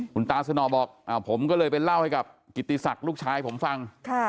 คุณตาสนอบอกผมก็เลยไปเล่าให้กับกิติศักดิ์ลูกชายผมฟัง